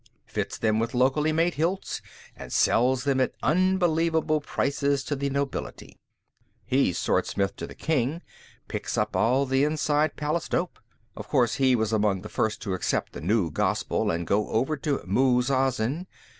Fits them with locally made hilts and sells them at unbelievable prices to the nobility. He's Swordsmith to the King; picks up all the inside palace dope. Of course, he was among the first to accept the New Gospel and go over to Muz Azin.